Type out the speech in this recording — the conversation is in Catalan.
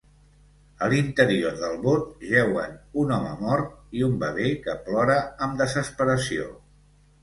A l'interior del bot jeuen un home mort i un bebè que plora amb desesperació.